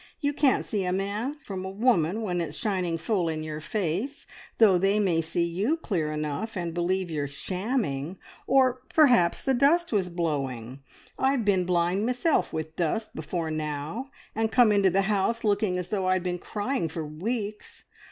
You can't see a man from a woman when it's shining full in your face, though they may see you clear enough, and believe you're shamming. Or perhaps the dust was blowing. I've been blind meself with dust before now, and come into the house looking as though I'd been crying for weeks.